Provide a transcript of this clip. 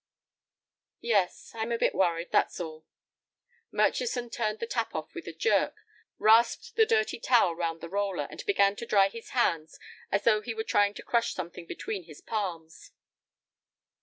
"Yes; I'm a bit worried, that's all." Murchison turned the tap off with a jerk, rasped the dirty towel round the roller, and began to dry his hands as though he were trying to crush something between his palms.